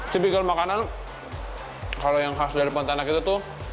tipikal makanan kalau yang khas dari pontianak itu tuh